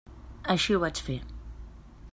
Així ho vaig fer.